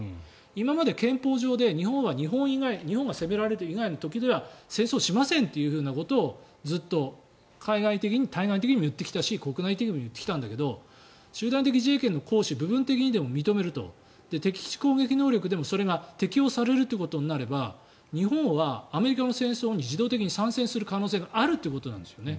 今まで、憲法上で日本は日本が攻められる時以外では戦争しませんということをずっと対外的にも言ってきたし国内的にも言ってきたんだけど集団的自衛権の行使を部分的にでも認めると敵基地攻撃能力でも、それが適用されるということになれば日本はアメリカの戦争に自動的に参戦する可能性があるということなんですよね。